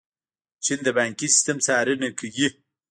چین د بانکي سیسټم څارنه کوي.